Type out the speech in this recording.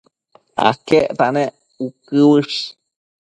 aquecta nec uëquë uësh?